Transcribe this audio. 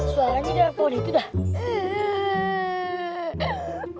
suaranya dari poni itu dah